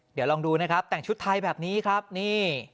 เดี๋ยวลองดูนะครับแต่งชุดไทยแบบนี้ครับนี่